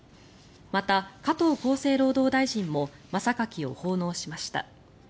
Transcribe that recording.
また加藤厚生労働大臣も真榊を奉納しました。